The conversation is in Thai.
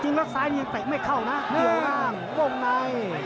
จริงแล้วซ้ายยิงเตะไม่เข้านะเดี๋ยวร่างวงใน